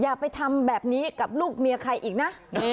อย่าไปทำแบบนี้กับลูกเมียใครอีกนะ